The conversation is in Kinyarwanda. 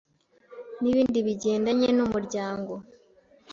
n'ibindi bigendanye n'umuryango